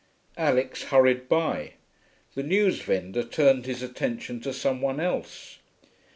Alix hurried by; the newsvendor turned his attention to some one else.